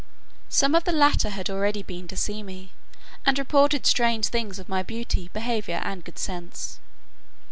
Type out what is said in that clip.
Some of the latter had already been to see me, and reported strange things of my beauty, behaviour, and good sense.